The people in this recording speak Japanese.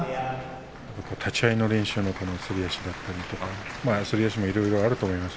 立ち合いの練習のすり足とかすり足にもいろいろあると思います。